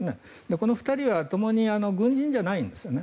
この２人はともに軍人じゃないんですね。